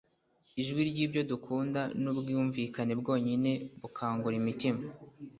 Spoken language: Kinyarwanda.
ijwi ryibyo dukunda nubwumvikane bwonyine bukangura umutima